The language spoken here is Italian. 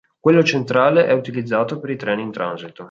Quello centrale è utilizzato per i treni in transito.